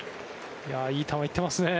いい球、行ってますね。